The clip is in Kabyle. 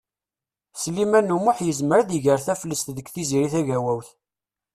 Sliman U Muḥ yezmer ad iger taflest deg Tiziri Tagawawt.